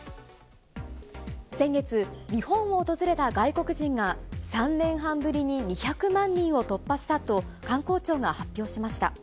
先月、日本を訪れた外国人が３年半ぶりに２００万人を突破したと、観光庁が発表しました。